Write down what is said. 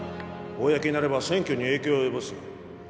公になれば選挙に影響を及ぼす。